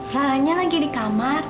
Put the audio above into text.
lalanya lagi di kamar